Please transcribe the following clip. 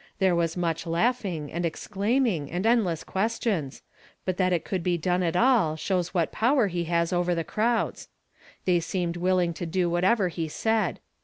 There was much laughing, and exclaiming, and endless questions ; but that it could be done at all, shows what power he has over the crowds. They seemed willing to do whatever he said.